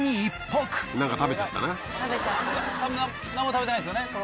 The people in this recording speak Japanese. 何か食べちゃったね。